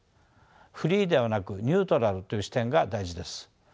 フリーではなくニュートラルという視点が大事です。